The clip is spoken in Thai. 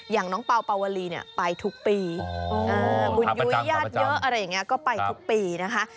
อย่างน้องเปล่าปาวลีเนี่ยไปทุกปีบุญยุ้ยญาติเยอะอะไรอย่างนี้ก็ไปทุกปีนะคะ